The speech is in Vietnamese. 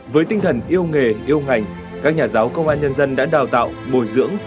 với tinh thần yêu nghề yêu ngành các nhà giáo công an nhân dân đã đào tạo bồi dưỡng